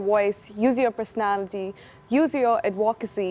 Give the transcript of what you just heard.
menggunakan personalitas anda menggunakan kebijaksanaan anda